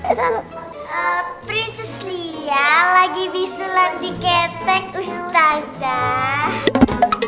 eh prinses lia lagi bisulan di ketek ustadzah